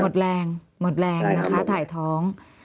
หมดแรงหมดแรงนะคะถ่ายท้อง